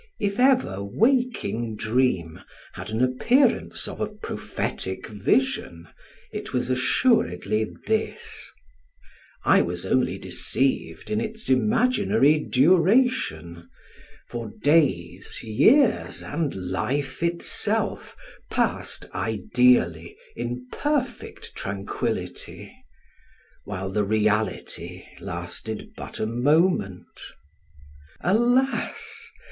If ever waking dream had an appearance of a prophetic vision, it was assuredly this; I was only deceived in its imaginary duration, for days, years, and life itself, passed ideally in perfect tranquility, while the reality lasted but a moment. Alas!